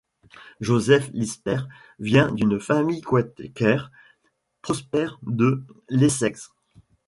Joseph Lister vient d'une famille quaker prospère de l'Essex.